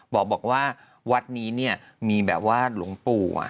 บอกว่าวัดนี้มีโหลงปู่